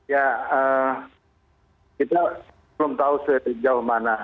ya kita belum tahu sejauh mana